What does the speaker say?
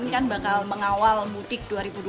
ini kan bakal mengawal mudik dua ribu dua puluh